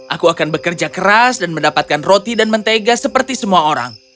aku akan bekerja keras dan mendapatkan roti dan mentega seperti semua orang